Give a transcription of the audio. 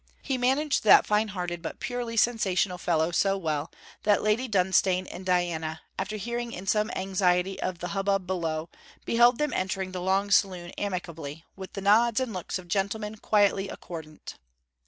He managed that fine hearted but purely sensational fellow so well that Lady Dunstane and Diana, after hearing in some anxiety of the hubbub below, beheld them entering the long saloon amicably, with the nods and looks of gentlemen quietly accordant.